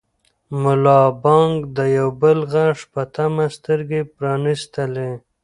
ملا بانګ د یو بل غږ په تمه سترګې پرانیستلې.